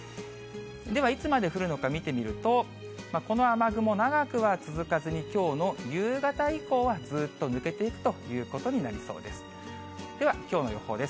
ではいつまで降るのか見てみると、この雨雲、長くは続かずに、きょうの夕方以降は、ずっと抜けていくということになりそうです。